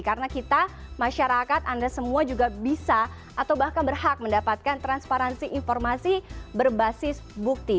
karena kita masyarakat anda semua juga bisa atau bahkan berhak mendapatkan transparansi informasi berbasis bukti